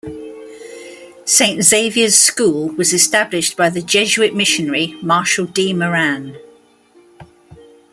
Saint Xavier's School was established by the Jesuit missionary Marshall D. Moran.